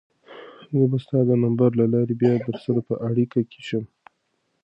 زه به ستا د نمبر له لارې بیا درسره په اړیکه کې شم.